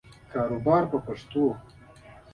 کاروبار په پښتو.